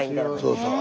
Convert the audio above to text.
そうそう。